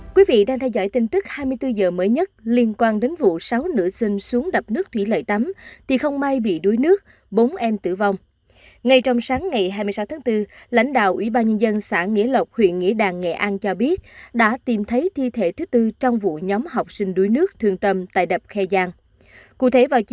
các bạn hãy đăng ký kênh để ủng hộ kênh của chúng mình nhé